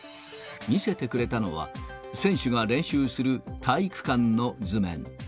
見せてくれたのは、選手が練習する体育館の図面。